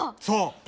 そう。